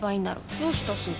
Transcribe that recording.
どうしたすず？